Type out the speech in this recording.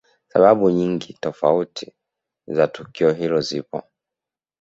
Sababu nyingi tofauti za tukio hilo zipo